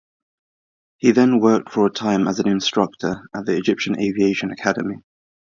He then worked for a time as an instructor at the Egypt Aviation Academy.